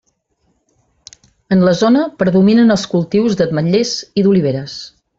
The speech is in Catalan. En la zona predominen els cultius d'ametllers i d'oliveres.